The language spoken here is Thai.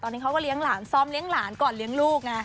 ตอนนี้เขาก็เลี้ยงหลานซ้อมเลี้ยงหลานก่อนเลี้ยงลูกไง